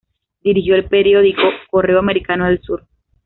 Dirigió el periódico "Correo Americano del Sur".